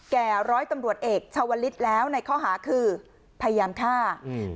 ร้อยตำรวจเอกชาวลิศแล้วในข้อหาคือพยายามฆ่าอืม